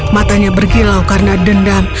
matanya bergilau karena dendam